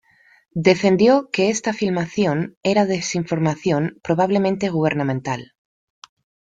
Defendió que esa filmación era desinformación probablemente gubernamental.